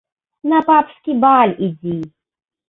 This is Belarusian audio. На папскі баль ідзі!